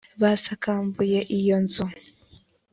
basakambuye iyo nzu